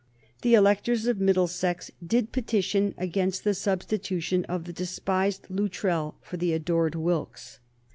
The electors of Middlesex did petition against the substitution of the despised Luttrell for the adored Wilkes.